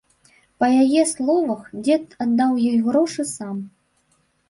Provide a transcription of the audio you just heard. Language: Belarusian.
Па яе словах, дзед аддаў ёй грошы сам.